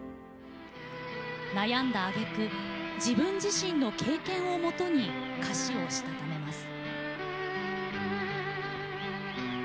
悩んだあげく自分自身の経験をもとに歌詞をしたためます。